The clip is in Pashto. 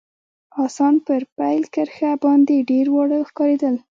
اسان پر پیل کرښه باندي ډېر واړه ښکارېدل.